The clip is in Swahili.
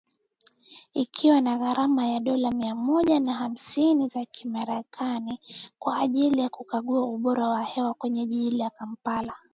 Ikiwa na gharama ya dola mia moja na hamsini za kimarekani kwa ajili ya kukagua ubora wa hewa kwenye jiji la Kampala.